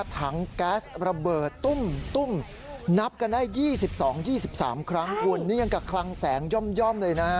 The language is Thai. ถังแก๊สระเบิดนับกันได้๒๒๒๓ครั้งวันนี้ยังกับคลังแสงย่อมเลยนะ